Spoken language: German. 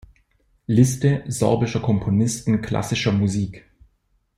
Liste sorbischer Komponisten klassischer Musik